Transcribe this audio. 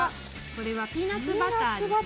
これはピーナツバターですね。